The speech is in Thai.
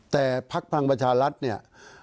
แต่พักพลังประชารัฐเนี่ย